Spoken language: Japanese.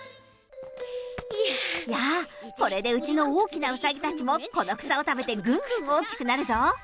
いやぁ、これでうちの大きなうさぎたちもこの草を食べてぐんぐん大きくなるぞ。